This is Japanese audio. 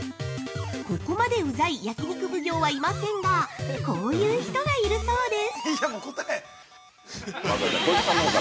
◆ここまでうざい焼き肉奉行はいませんがこういう人がいるそうです。